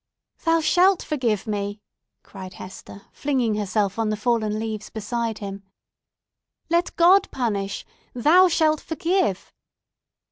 "Thou shalt forgive me!" cried Hester, flinging herself on the fallen leaves beside him. "Let God punish! Thou shalt forgive!"